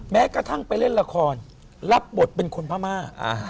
แม้กระทั่งไปเล่นละครรับบทเป็นคนพม่า